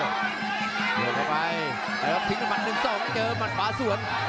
โดดเข้าไปคารีลอฟทิ้งหนัดหนึ่งสองไม่เจอหนัดปลาสวน